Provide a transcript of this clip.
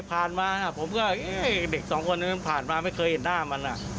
พาเซอะแล้วเด็ก๒คนไม่เคยเห็นหน้ามัน